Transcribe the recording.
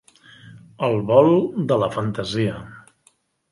El vol de la fantasia.